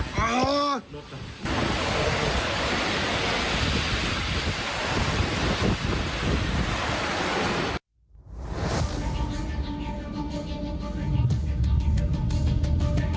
มันกลายเป็นภาษางานของที่นี่นะครับ